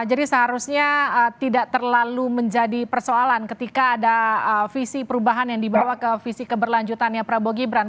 jadi seharusnya tidak terlalu menjadi persoalan ketika ada visi perubahan yang dibawa ke visi keberlanjutannya prabowo gibran